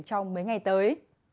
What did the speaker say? trong mấy ngày tới